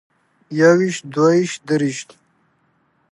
يوويشت دوويشت درويشت